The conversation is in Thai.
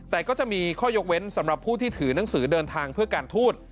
แต่ก็จะมีข้อยกเว้นสำหรับผู้ที่ถือหนังสือเดินทางเพื่อการทูต